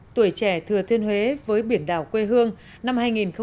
tuổi trẻ thừa thuyên huế với biển đảo quê hương năm hai nghìn một mươi bảy